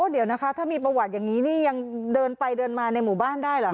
เดี๋ยวนะคะถ้ามีประวัติอย่างนี้นี่ยังเดินไปเดินมาในหมู่บ้านได้เหรอ